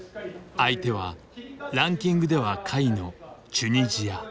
相手はランキングでは下位のチュニジア。